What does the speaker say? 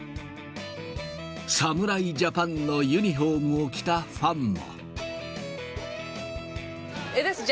侍ジャパンのユニホームを着たファンも。